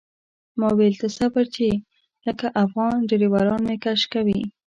ما ویل ته صبر چې لکه افغان ډریوران مې کش کوي.